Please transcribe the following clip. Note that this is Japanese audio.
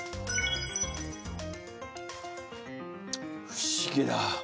不思議だ！